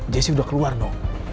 jessy udah keluar no